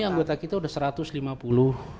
anggota kita sudah satu ratus lima puluh